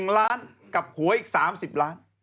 ๑ล้านกับหวยอีก๓๐ล้าน